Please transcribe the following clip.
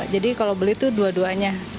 jadi kalau beli itu dua duanya